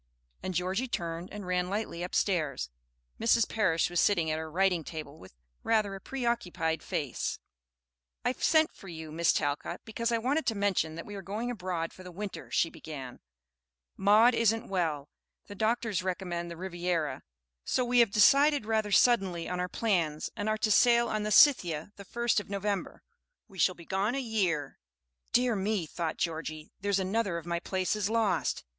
And Georgie turned and ran lightly upstairs. Mrs. Parish was sitting at her writing table with rather a preoccupied face. "I sent for you, Miss Talcott, because I wanted to mention that we are going abroad for the winter," she began. "Maud isn't well, the doctors recommend the Riviera, so we have decided rather suddenly on our plans, and are to sail on the 'Scythia' the first of November. We shall be gone a year." "Dear me," thought Georgie, "there's another of my places lost!